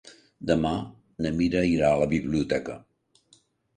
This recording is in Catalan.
Demà na Mira irà a la biblioteca.